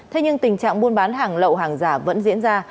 thế nhưng tình trạng buôn bán hàng lậu hàng giả vẫn diễn ra